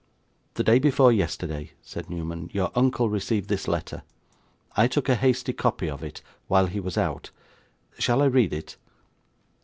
'The day before yesterday,' said Newman, 'your uncle received this letter. I took a hasty copy of it, while he was out. Shall I read it?